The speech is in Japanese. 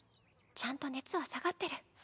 ちゃんと熱は下がってる。